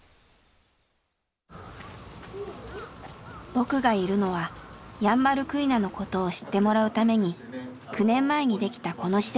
僕がいるのはヤンバルクイナのことを知ってもらうために９年前にできたこの施設。